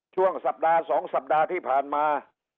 ช่วงสัปดาห์๒สัปดาห์ที่ผ่านมา